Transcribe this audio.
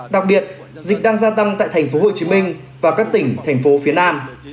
đặc biệt dịch đang gia tăng tại thành phố hồ chí minh và các tỉnh thành phố phía nam